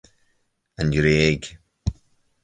An Ghréig